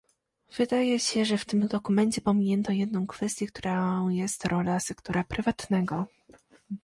Wydaje się, że w tym dokumencie pominięto jedną kwestię, którą jest rola sektora prywatnego